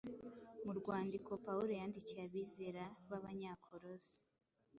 Mu rwandiko Pawulo yandikiye abizera b’Abanyakolosi,